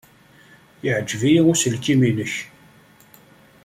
Yeɛjeb-iyi uselkim-nnek.